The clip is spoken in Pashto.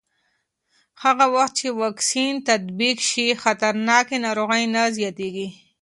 هغه وخت چې واکسین تطبیق شي، خطرناک ناروغۍ نه زیاتېږي.